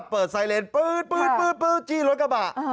เปิดไซเลนปื๊ดจี้รถกระบะ